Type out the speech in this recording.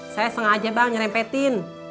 saya sengaja bang nyerempetin